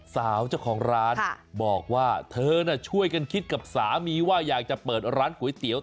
สาวเจ้าของร้านบอกว่าเธอช่วยกันคิดกับสามีว่าอยากจะเปิดร้านก๋วยเตี๋ยว